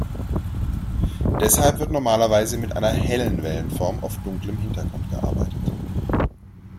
Deshalb wird normalerweise mit einer hellen Wellenform auf dunklem Hintergrund gearbeitet.